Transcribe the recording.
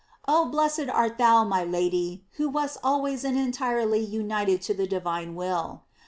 "J Oh, blessed art thou, my Lady, who wast always and entirely united to the divine will